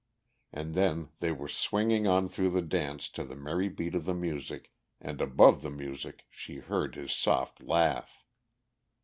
And then they were swinging on through the dance to the merry beat of the music and above the music she heard his soft laugh.